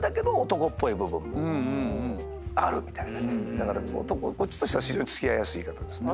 だから男こっちとしては非常に付き合いやすい方ですね。